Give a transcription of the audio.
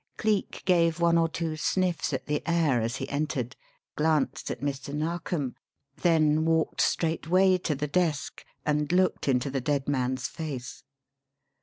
Cleek gave one or two sniffs at the air as he entered, glanced at Mr. Narkom, then walked straightway to the desk and looked into the dead man's face.